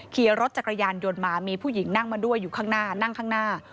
ขี่รถจักรยานยนต์มามีผู้หญิงนั่งมาด้วยอยู่ข้างหน้านั่งข้างหน้า